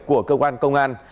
của cơ quan công an